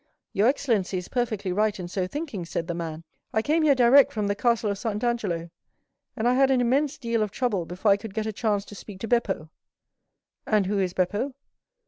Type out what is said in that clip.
"Your excellency is perfectly right in so thinking," said the man; "I came here direct from the Castle of St. Angelo, and I had an immense deal of trouble before I could get a chance to speak to Beppo." "And who is Beppo?"